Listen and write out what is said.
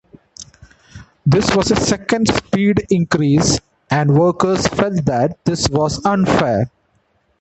This was a second speed increase, and workers felt that this was unfair.